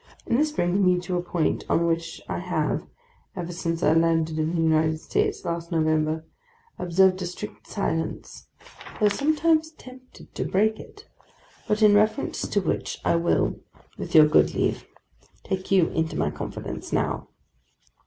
And this brings me to a point on which I have, ever since I landed in the United States last November, observed a strict silence, though sometimes tempted to break it, but in reference to which I will, with your good leave, take you into my confidence now.